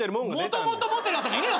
もともと持ってるやつなんかいねえよ